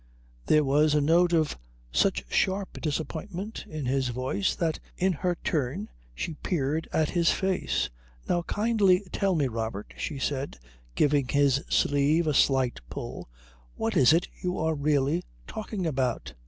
There was a note of such sharp disappointment in his voice that in her turn she peered at his face. "Now kindly tell me, Robert," she said, giving his sleeve a slight pull, "what it is you are really talking about."